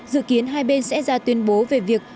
dự kiến hai bên sẽ ra tuyên bố về việc